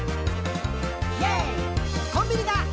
「コンビニだ！